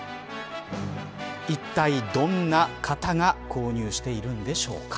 いったいどんな方が購入しているんでしょうか。